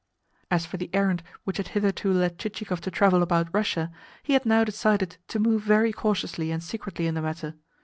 As for the errand which had hitherto led Chichikov to travel about Russia, he had now decided to move very cautiously and secretly in the matter.